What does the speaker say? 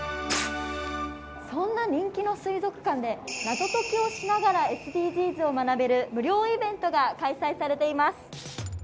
そんな人気の水族館で謎解きをしながらＳＤＧｓを学べる無料イベントが開催されています。